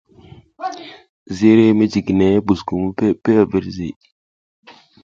Ziriy mijiginey buskum peʼe peʼe a virzi.